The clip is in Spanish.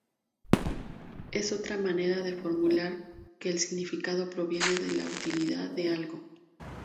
Es otra manera de formular que el significado proviene de la utilidad de algo.